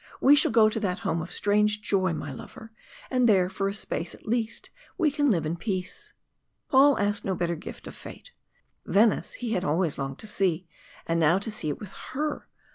We shall go to that home of strange joy, my lover, and there for a space at least we can live in peace." Paul asked no better gift of fate. Venice he had always longed to see, and now to see it with her!